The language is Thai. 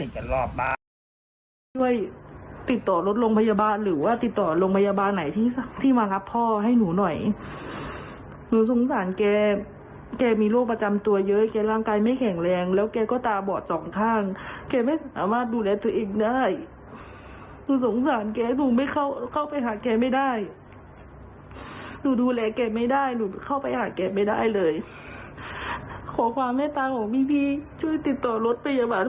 ขอความแม่ตาของพี่พี่ช่วยติดต่อรถพยาบาลมารับพ่อหนูด้วย